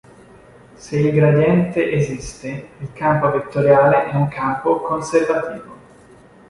Se il gradiente esiste, il campo vettoriale è un campo conservativo.